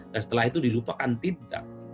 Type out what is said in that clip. nah setelah itu dilupakan tidak